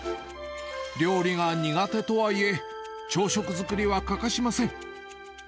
料理が苦手とはいえ、朝食作りは欠かしません。